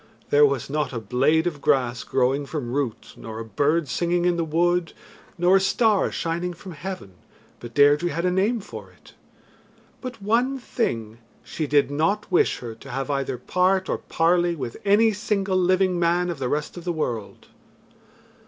There was not a blade of grass growing from root, nor a bird singing in the wood, nor a star shining from heaven but Deirdre had a name for it. But one thing, she did not wish her to have either part or parley with any single living man of the rest of the world.